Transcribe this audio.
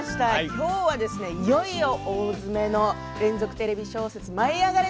今日は、いよいよ大詰めの連続テレビ小説「舞いあがれ！」